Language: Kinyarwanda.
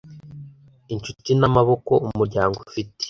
inshuti n'amaboko umuryango ufite